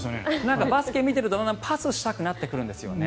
バスケを見ているとパスしたくなってくるんですよね。